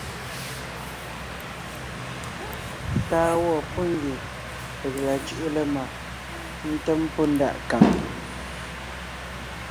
Táʼ á wɔ́ pɔ́ ngie peg la cʉ́ʼʉ lemag ńtém pɔ́ ndaʼ nkàŋ.